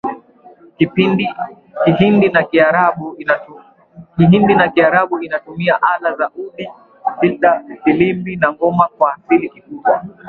Kihindi na Kiarabu inatumia ala za udi fidla filimbi na ngoma Kwa kiasi kikubwa